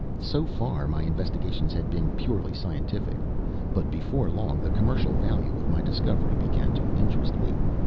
So far my investigations had been purely scientific, but before long the commercial value of my discovery began to interest me.